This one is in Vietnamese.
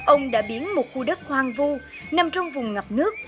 ông đã biến một khu đất hoang vu nằm trong vùng ngập nước